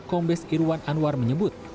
kombes irwan anwar menyebut